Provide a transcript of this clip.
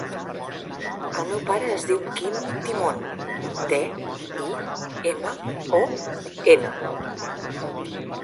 El meu pare es diu Quim Timon: te, i, ema, o, ena.